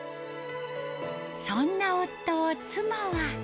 そんな夫を、妻は。